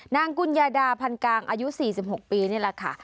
กุญญาดาพันกางอายุ๔๖ปีนี่แหละค่ะ